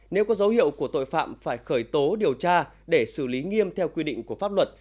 nếu có dấu hiệu của tội phạm phải khởi tố điều tra để xử lý nghiêm theo quy định của pháp luật